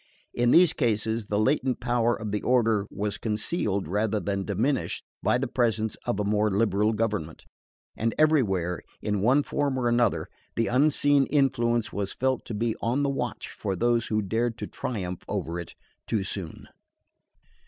In these cases the latent power of the order was concealed rather than diminished by the pretence of a more liberal government, and everywhere, in one form or another, the unseen influence was felt to be on the watch for those who dared to triumph over it too soon.